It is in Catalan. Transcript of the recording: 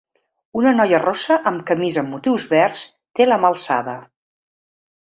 Una noia rossa amb camisa amb motius verds té la mà alçada.